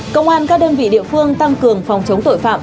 công an các đơn vị địa phương tăng cường phòng chống tội phạm